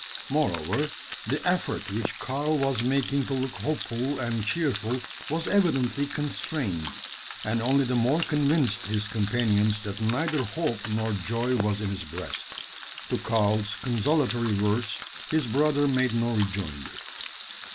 Moreover, the effort which Karl was making to look hopeful and cheerful was evidently constrained; and only the more convinced his companions that neither hope nor joy was in his breast. To Karl's consolatory words his brother made no rejoinder.